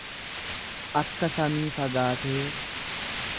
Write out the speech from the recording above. Akka samii fagaatee